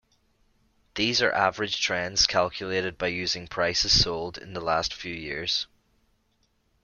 These are average trends calculated by using prices sold in the past few years.